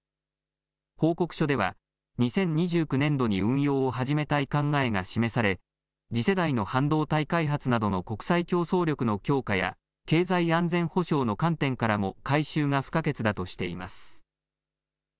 報告書では２０２９年度に運用を始めたい考えが示され次世代の半導体開発などの国際競争力の強化や経済安全保障の観点からも改修が不可欠だとしています。